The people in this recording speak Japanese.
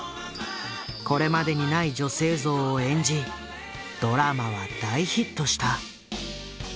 これまでにない女性像を演じドラマは大ヒットした。